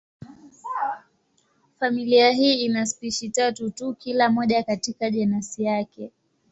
Familia hii ina spishi tatu tu, kila moja katika jenasi yake.